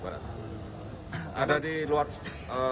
ada di luar di salunto ada juga yang di luar salunto